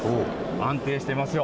安定してますよ。